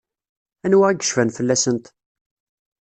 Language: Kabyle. Anwa i yecfan fell-asent?